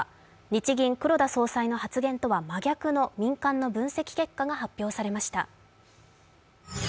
日銀・黒田総裁の発言とは真逆の民間の分析結果が発表されました。